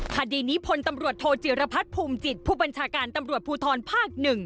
คดีนี้พลตำรวจโทจิรพัฒน์ภูมิจิตผู้บัญชาการตำรวจภูทรภาค๑